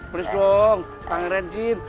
beres dong pangeran jin